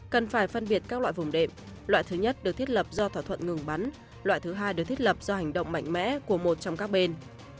cần phải phân biệt các loại vùng đệm loại thứ nhất được thiết lập do thỏa thuận ngừng bắn loại thứ hai được thiết lập do hành động mạnh mẽ của một trong các bên